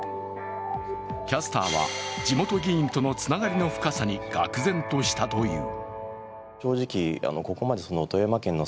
キャスターは地元議員とのつながりの深さにがく然としたという。